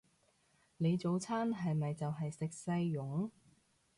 你早餐係咪就係食細蓉？